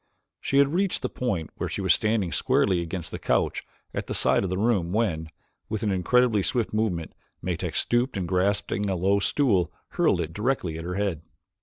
She had reached the point where she was standing squarely against the couch at the side of the room when, with an incredibly swift movement, Metak stooped and grasping a low stool hurled it directly at her head.